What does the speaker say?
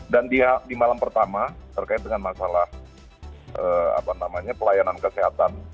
dan di malam pertama terkait dengan masalah pelayanan kesehatan